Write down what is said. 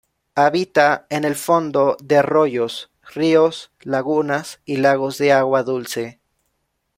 Habita en el fondo de arroyos, ríos, lagunas y lagos de agua dulce.